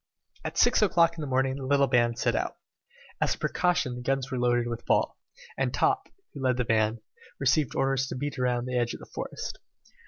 At six o'clock in the morning the little band set out. As a precaution the guns were loaded with ball, and Top, who led the van, received orders to beat about the edge of the forest.